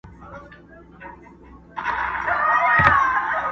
یو څه په ځان د سړیتوب جامه کو؛